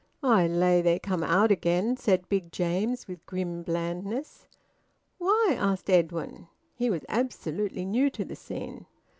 "I lay they come out again," said Big James, with grim blandness. "Why?" asked Edwin. He was absolutely new to the scene.